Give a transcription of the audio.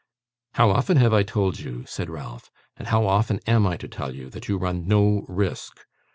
'How often have I told you,' said Ralph, 'and how often am I to tell you, that you run no risk?